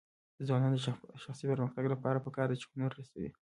د ځوانانو د شخصي پرمختګ لپاره پکار ده چې هنر رسوي.